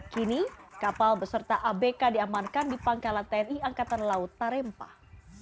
kini kapal beserta abk diamankan di pangkalan tni angkatan laut tarempah